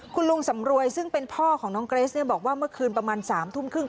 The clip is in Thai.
คุณลุงสำรวยซึ่งเป็นพ่อของน้องเกรสเนี่ยบอกว่าเมื่อคืนประมาณ๓ทุ่มครึ่ง